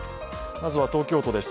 まずは、東京都です。